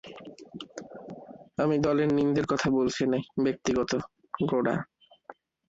আমি দলের নিন্দের কথা বলছি নে– ব্যক্তিগত– গোরা।